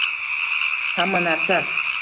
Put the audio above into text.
Hamma narsa